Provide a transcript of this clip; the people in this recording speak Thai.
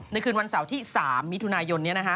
คืนวันเสาร์ที่๓มิถุนายน